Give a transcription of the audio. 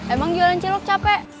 emang jualan cilok capek